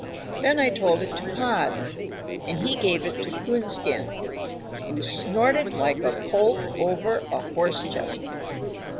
Then I told it to Pod, and he gave it to Coonskin, who snorted like a colt over a horse chestnut.